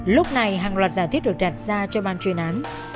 lúc này hàng loạt giả thuyết được đặt ra cho ban chuyên án